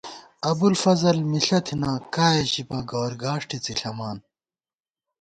ابُوالفضل مِݪہ تھنہ ، کائے ژِبہ ، گوَر گاݭٹے څِݪَمان